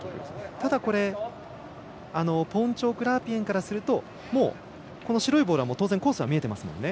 ただ、ポーンチョーク・ラープイェンからすると白いボールは当然コースは見てていますよね。